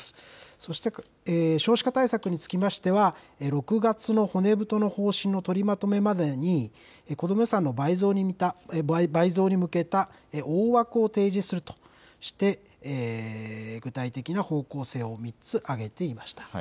そして少子化対策につきましては、６月の骨太の方針の取りまとめまでに、子ども予算の倍増に向けた大枠を提示するとして、具体的な方向性を３つ挙げていました。